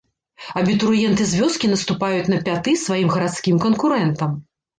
Абітурыенты з вёскі наступаюць на пяты сваім гарадскім канкурэнтам.